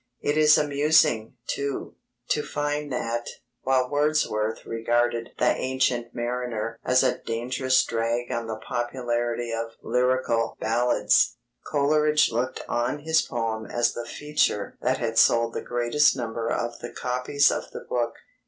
It is amusing, too, to find that, while Wordsworth regarded The Ancient Mariner as a dangerous drag on the popularity of Lyrical Ballads, Coleridge looked on his poem as the feature that had sold the greatest number of the copies of the book.